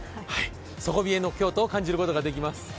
底冷えの京都を感じることができます。